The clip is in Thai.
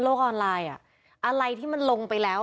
ออนไลน์อ่ะอะไรที่มันลงไปแล้ว